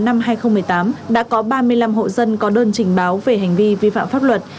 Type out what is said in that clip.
năm hai nghìn một mươi tám đã có ba mươi năm hộ dân có đơn trình báo về hành vi vi phạm pháp luật